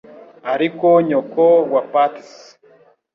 Ariko nyoko wa Patsy.